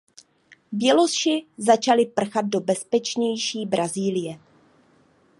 Běloši začali prchat do bezpečnější Brazílie.